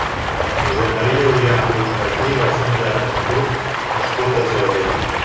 Josep Maria Uyà Puigmartí va ser un dramaturg nascut a Sabadell.